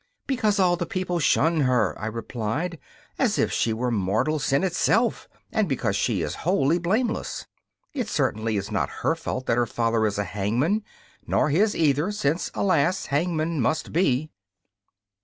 'Because all the people shun her,' I replied, 'as if she were mortal sin itself, and because she is wholly blameless. It certainly is not her fault that her father is a hangman, nor his either, since, alas, hangmen must be.